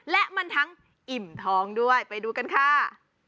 และมันทั้งอิ่มท้องด้วยไปดูกันค่ะ